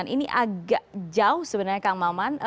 ini agak jauh sebenarnya kang maman